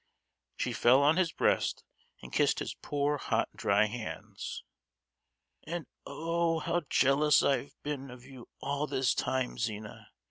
She fell on his breast and kissed his poor hot, dry hands. "And, oh! how jealous I have been of you all this time, Zina!